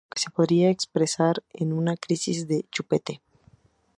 Lo que se podría expresar una "crisis del chupete".